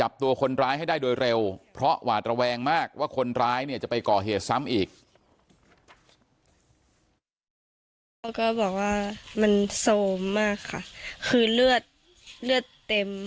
เขาก็บอกว่ามันโซมมากค่ะคือเลือดเลือดเต็ม